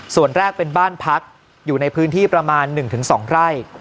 ส่วนแรกเป็นบ้านพักอยู่ในพื้นที่ประมาณหนึ่งถึงสองไร่